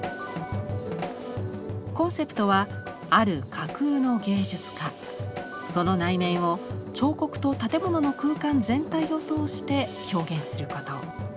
コンセプトはある架空の芸術家その内面を彫刻と建物の空間全体を通して表現すること。